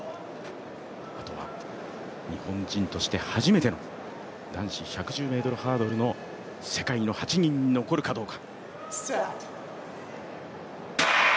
あとは日本人として初めての男子１１０ｍハードルの世界の８人に残るかどうか。